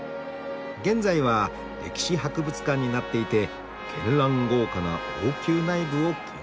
「現在は歴史博物館になっていて絢爛豪華な王宮内部を見学できる」と。